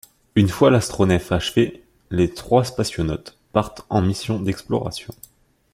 Une fois l’astronef achevé, les trois spationautes partent en mission d’exploration.